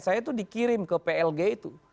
saya itu dikirim ke plg itu